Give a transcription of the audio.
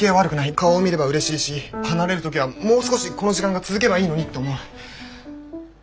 顔を見ればうれしいし離れる時はもう少しこの時間が続けばいいのにと思う。